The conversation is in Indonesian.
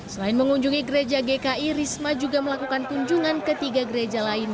selain mengunjungi gereja gki risma juga melakukan kunjungan ke tiga gereja lain